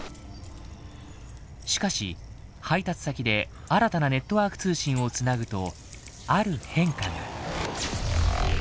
しかし配達先で新たなネットワーク通信を繋ぐとある変化が。